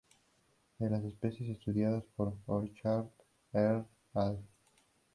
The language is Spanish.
De las especies estudiadas por Orchard et al.